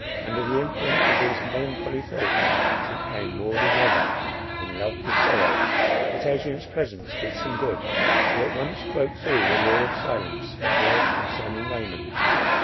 Under the influence of these melancholy thoughts, she became more than ever in love with sorrow. Yet Adrian's presence did some good; he at once broke through the law of silence observed concerning Raymond.